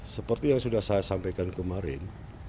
seperti yang sudah saya sampaikan kemarin